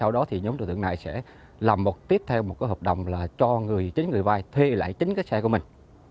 sau đó thì nhóm đối tượng này sẽ làm tiếp theo một hợp đồng là cho chính người vay thuê lại chính cái xe của mình